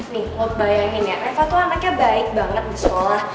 nih lo bayangin ya reva tuh anaknya baik banget di sekolah